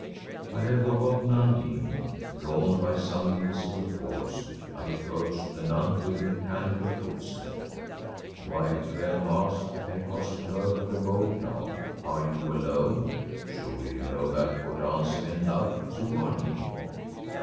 I had forgotten Undine. Drawn by some invisible force, I approached the nun with mechanical footstep. “Why, fair mask,‚ÄĚ I accosted her with a bold laugh, “are you alone? Surely you know that for dancing and love two are needed!